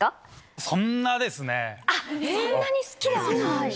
そんなに好きではない？